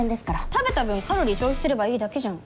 食べた分カロリー消費すればいいだけじゃん。